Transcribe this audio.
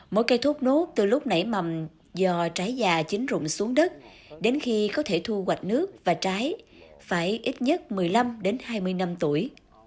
mỗi cây thốt nốt từ lúc nảy mầm do trái già chín rụng xuống đất đến khi có thể thu hoạch nước và trái phải ít nhất một mươi năm hai mươi năm tuổi